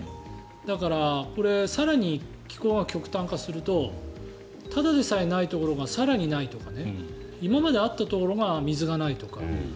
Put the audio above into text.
だから、更に気候が極端化するとただでさえないところが更にないとか今まであったところが水がないとか。